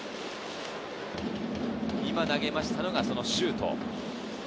今、投げたのがそのシュート。